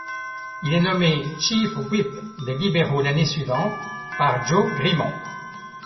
Il est nommé Chief Whip des libéraux l'année suivante par Jo Grimond.